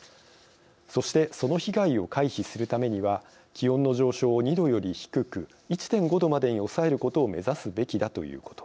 そして、その被害を回避するためには気温の上昇を２度より低く１．５度までに抑えることを目指すべきだということ。